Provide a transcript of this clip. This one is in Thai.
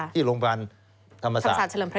ที่โรงพยาบาลธรรมศาสตร์